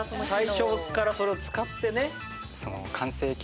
最初からそれを使ってね。